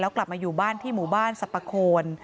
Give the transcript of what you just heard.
กลับมาอยู่บ้านที่หมู่บ้านสรรปะโคน